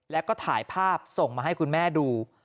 แล้วก็ถ่ายภาพส่งมาให้คุณแม่ดู